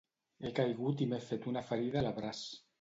He caigut i m'he fet una ferida a la braç.